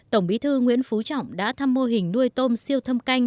tổng bí thư nguyễn phú trọng đã thăm mô hình nuôi tôm siêu thâm canh